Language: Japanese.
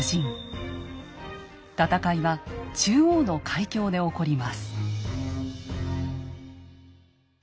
戦いは中央の海峡で起こります。